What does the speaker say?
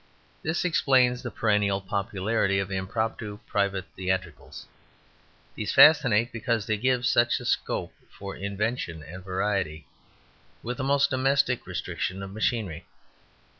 This explains the perennial popularity of impromptu private theatricals. These fascinate because they give such a scope for invention and variety with the most domestic restriction of machinery.